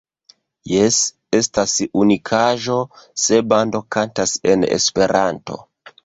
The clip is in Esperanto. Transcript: Jes, estas unikaĵo se bando kantas en Esperanto.